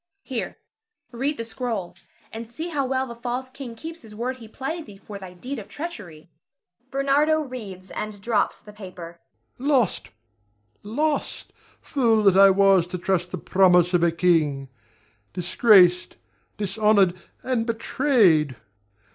Here! read the scroll, and see how well the false king keeps his word he plighted thee for thy deed of treachery. Ber. [reads, and drops the paper]. Lost! lost! Fool that I was to trust the promise of a king! Disgraced, dishonored, and betrayed!